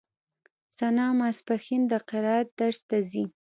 ثنا ماسپښين د قرائت درس ته ځي.